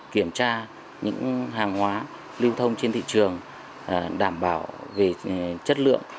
kiểm tra những hàng hóa lưu thông trên thị trường đảm bảo về chất lượng